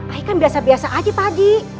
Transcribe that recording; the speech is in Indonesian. ae kan biasa biasa aja pak haji